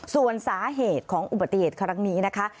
ส่วนสาเหตุของอุบัติเหตุครั้งนี้นะคะ